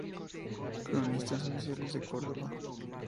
Cronistas oficiales de Córdoba